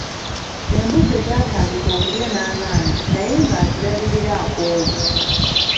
Embuzi zaatandika okulya n’amaanyi naye nga azirabirira akooye.